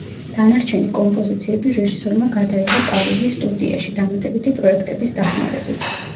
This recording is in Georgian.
დანარჩენი კომპოზიციები რეჟისორმა გადაიღო პარიზის სტუდიაში, დამატებითი პროექტების დახმარებით.